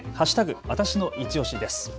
わたしのいちオシです。